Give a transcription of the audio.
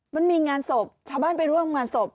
มันมีงานศพชาวบ้านไปร่วมงานศพ